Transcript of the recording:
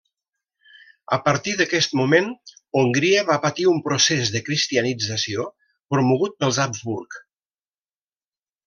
A partir d'aquest moment, Hongria va patir un procés de cristianització promogut pels Habsburg.